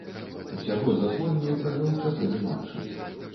Усяго за зборную правёў чатыры матчы.